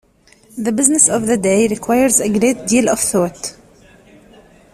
The business of the day requires a great deal of thought.